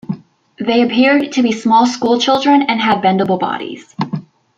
They appeared to be small school children and had bendable bodies.